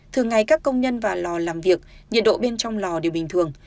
thường ngày các công nhân vào lò làm việc nhiệt độ bên trong lò đều bình thường